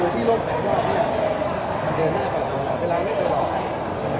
อยู่ที่ลกไหนก็อย่างนี้มันเดินหน้ากว่าเวลาไม่เคยถึงตอนนี้